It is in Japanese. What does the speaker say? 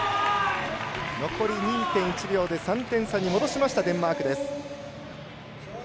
残り２．１秒で３点差に戻しましたデンマークです。